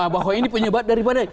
bahwa ini penyebat daripada